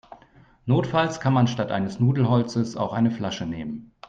Notfalls kann man statt eines Nudelholzes auch eine Flasche nehmen.